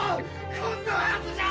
こんなはずじゃ！！